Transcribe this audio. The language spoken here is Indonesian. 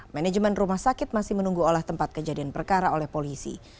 manajemen rumah sakit masih menunggu olah tempat kejadian perkara oleh polisi